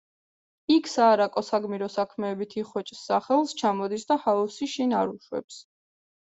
იქ საარაკო საგმირო საქმეებით იხვეჭს სახელს, ჩამოდის და ჰაოსი შინ არ უშვებს.